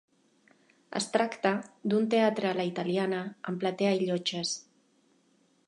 Es tracta d'un teatre a la italiana amb platea i llotges.